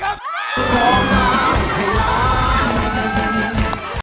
ดาดได้ครับ